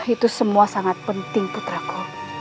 itu semua sangat penting putraku